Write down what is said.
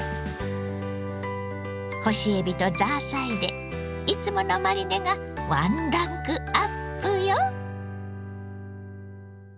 干しエビとザーサイでいつものマリネがワンランクアップよ。